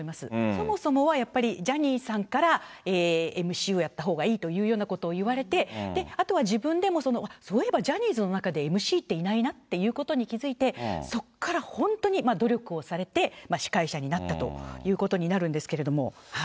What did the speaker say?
そもそもはやっぱりジャニーさんからＭＣをやったほうがいいというようなことを言われて、あとは自分でも、そういえばジャニーズの中でＭＣっていないなっていうことに気付いて、そこから本当に努力をされて、司会者になったということになるんですけれども。